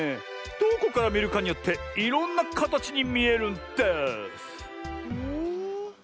どこからみるかによっていろんなかたちにみえるんです。